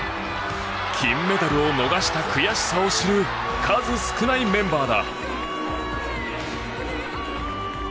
金メダルを逃した悔しさを知る数少ないメンバーだ。